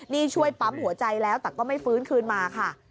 นี่ช่วยปั๊มหัวใจแล้วแต่ก็ไม่ฟื้นคืนมาค่ะ